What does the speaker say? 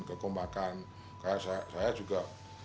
kekompakan saya juga